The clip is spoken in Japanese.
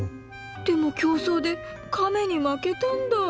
でも競走でカメに負けたんだ。